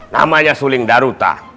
namanya suling daruta